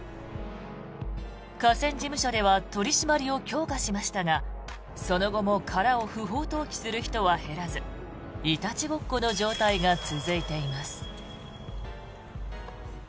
河川事務所では取り締まりを強化しましたがその後も殻を不法投棄する人は減らずいたちごっこの状態が続いています。